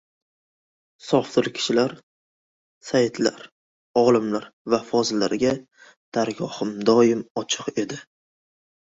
Sofdil kishilar, sayyidlar, olimlar va fozillarga dargohim doim ochiq edi.